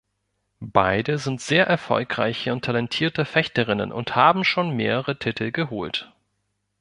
Beide sind sehr erfolgreiche und talentierte Fechterinnen und haben schon mehrere Titel geholt.